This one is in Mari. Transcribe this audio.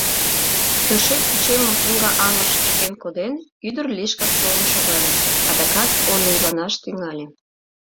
Кӧршӧккучемым коҥга аҥыш чыкен коден, ӱдыр лишкак толын шогале, адакат ойойланаш тӱҥале: